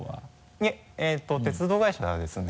いえ鉄道会社ですね。